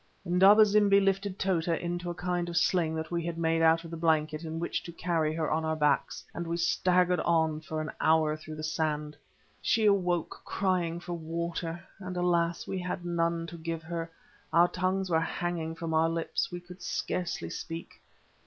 Indaba zimbi lifted Tota into the kind of sling that we had made out of the blanket in which to carry her on our backs, and we staggered on for an hour through the sand. She awoke crying for water, and alas! we had none to give her; our tongues were hanging from our lips, we could scarcely speak.